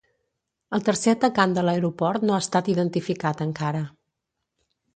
El tercer atacant de l’aeroport no ha estat identificat encara.